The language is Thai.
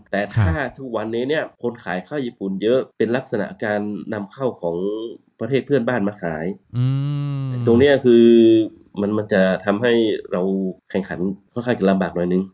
แต่ถ้าทุกวันนี้เนี่ยคนขายข้าวญี่ปุ่นเยอะเป็นลักษณะการนำเข้าของประเทศเพื่อนบ้านมาขายตรงนี้คือมันจะทำให้เราแข่งขันค่อนข้างจะลำบากหน่อยนึง